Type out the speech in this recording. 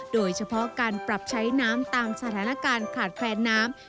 โดยเฉพาะการปรับใช้น้ำตามสถานการณ์ขาดแคลนน้ำ